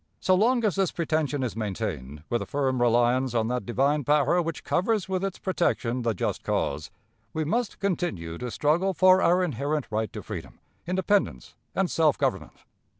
So long as this pretension is maintained, with a firm reliance on that Divine Power which covers with its protection the just cause, we must continue to struggle for our inherent right to freedom, independence, and self government."